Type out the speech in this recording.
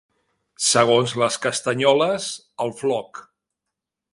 Segons les castanyoles, el floc.